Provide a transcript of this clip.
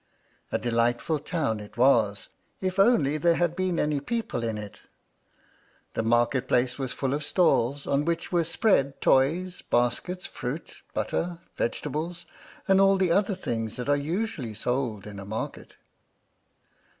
A delightful town it was, if only there had been any people in it! The market place was full of stalls, on which were spread toys, baskets, fruit, butter, vegetables, and all the other things that are usually sold in a market.